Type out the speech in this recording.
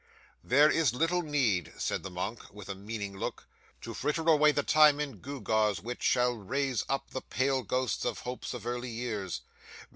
'"There is little need," said the monk, with a meaning look, "to fritter away the time in gewgaws which shall raise up the pale ghosts of hopes of early years.